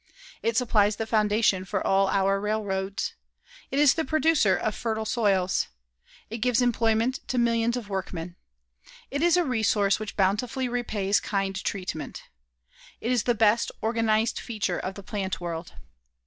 It supplies the foundation for all our railroads. It is the producer of fertile soils. It gives employment to millions of workmen. It is a resource which bountifully repays kind treatment. It is the best organized feature of the plant world.